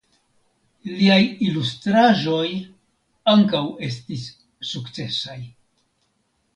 Liaj ilustraĵoj ankaŭ estis sukcesaj.